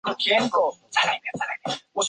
壮年听雨客舟中。